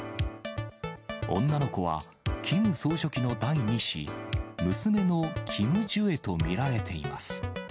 女の子は、キム総書記の第２子、娘のキム・ジュエと見られています。